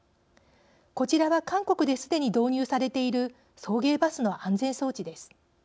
こちらは韓国ですでに導入されている送迎バスの安全装置です。